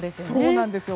そうなんですよ。